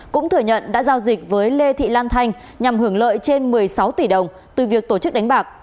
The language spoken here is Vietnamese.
cũng thừa nhận đã giao dịch với lê thị lan thanh nhằm hưởng lợi trên một mươi sáu tỷ đồng từ việc tổ chức đánh bạc